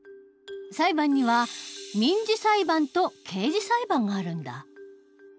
裁判には民事裁判と刑事裁判があるんだ。